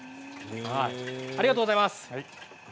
ありがとうございます。